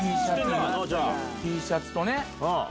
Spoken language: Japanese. Ｔシャツとね。